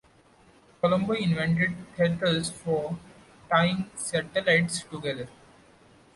Colombo invented tethers for tying satellites together.